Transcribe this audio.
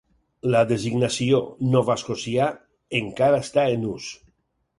La designació 'novaescocià' encara està en ús.